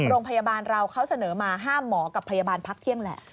โรงพยาบาลเราเขาเสนอมาห้ามหมอกับพยาบาลพักเที่ยงแหละ